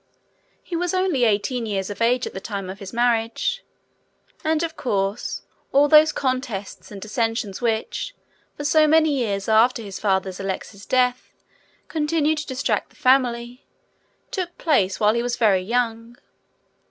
He was only eighteen years of age at the time of his marriage, and, of course, all those contests and dissensions which, for so many years after his father Alexis's death, continued to distract the family, took place while he was very young.